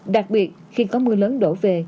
đặc biệt khi có mưa lớn đổ về